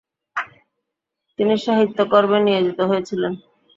তিনি সাহিত্যকর্মে নিয়োজিত হয়েছিলেন।